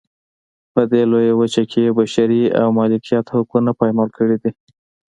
په دې لویه وچه کې یې بشري او مالکیت حقونه پایمال کړي دي.